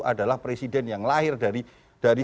adalah presiden yang lahir dari